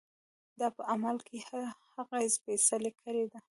دا په عمل کې هغه سپېڅلې کړۍ ده.